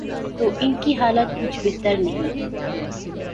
تو ان کی حالت کچھ بہتر نہیں۔